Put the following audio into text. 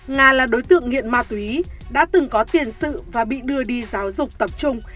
nga là đối tượng nghiện ma túy đã từng có tiền sự và bị đưa đi giáo dục tập trung